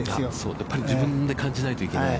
やっぱり自分で感じないといけない。